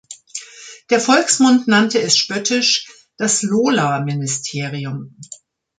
Der Volksmund nannte es spöttisch das „Lola-Ministerium“.